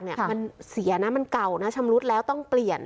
มันเสียนะมันเก่านะชำรุดแล้วต้องเปลี่ยน